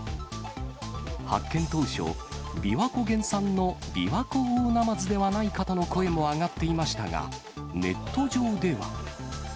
発見当初、琵琶湖原産のビワコオオナマズではないかとの声も上がっていましたが、ネット上では。